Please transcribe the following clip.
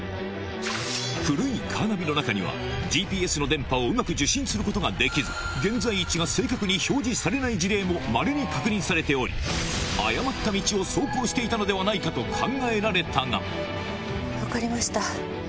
古いカーナビの中にはＧＰＳの電波をうまく受信することができず現在位置が正確に表示されない事例もまれに確認されておりと考えられたが分かりました。